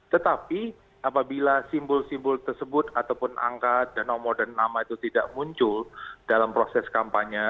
tetapi apabila simbol simbol tersebut ataupun angka nomor dan nama itu tidak muncul dalam proses kampanye